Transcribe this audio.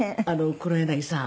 黒柳さん。